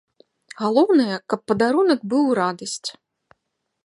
Галоўнае, каб падарунак быў у радасць.